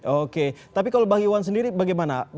oke tapi kalau bagi wan sendiri bagaimana